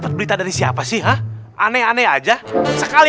besok akan ada push case maski